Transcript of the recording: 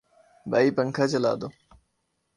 بھائی پنکھا چلا دو